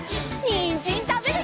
にんじんたべるよ！